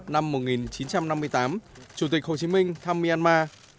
năm một nghìn chín trăm năm mươi tám chủ tịch hồ chí minh thăm myanmar